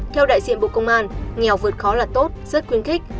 theo đại diện bộ công an nghèo vượt khó là tốt rất khuyến khích